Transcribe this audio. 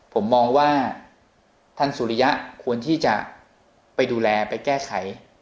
ผมมองว่าท่านสุริยะควรที่จะไปดูแลไปแก้ไข